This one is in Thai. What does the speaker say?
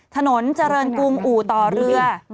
ถนนเจริญกรุงอู่ต่อเรือ